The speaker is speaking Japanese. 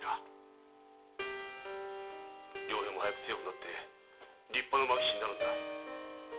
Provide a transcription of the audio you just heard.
良平も早く強くなって立派な牧士になるんだ。